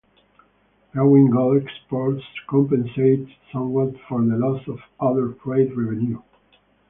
Growing gold exports compensated somewhat for the loss of other trade revenue.